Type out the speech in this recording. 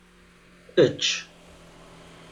Ečč!